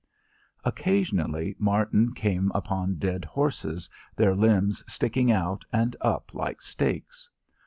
Occasionally Martin came upon dead horses, their limbs sticking out and up like stakes.